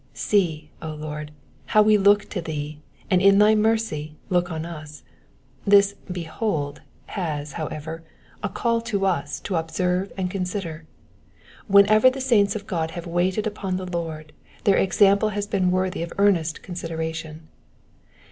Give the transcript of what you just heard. See, O Lord, how we look to thee, and in thy mercy look on us. This Behold lias, however, a call to us to observe and consider. Whenever saints of God have waited upon the Lord their example has been worthy of earnest consideration.